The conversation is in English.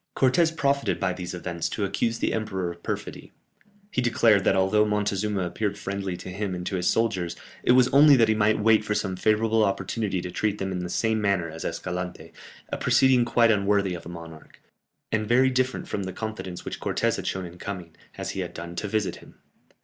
Cortès profited by these events to accuse the emperor of perfidy. He declared that although Montezuma appeared friendly to him and to his soldiers, it was only that he might wait for some favourable opportunity to treat them in the same manner as Escalante, a proceeding quite unworthy of a monarch, and very different from the confidence which Cortès had shown in coming, as he had done, to visit him.